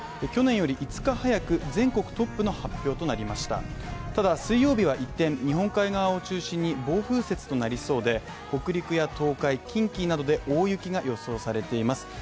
去年より５日早く全国トップの発表となりました、ところが水曜日は一転、日本海側を中心に暴風雪となりそうで北陸や東海、近畿などで大雪が予想されています。